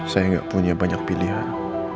saya nggak punya banyak pilihan